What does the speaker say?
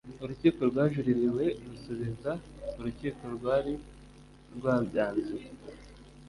urukiko rwajuririwe rusubiza urukiko rwari rwabyanzuye